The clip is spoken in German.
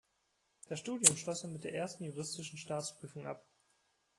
Das Studium schloss er mit der ersten juristischen Staatsprüfung ab.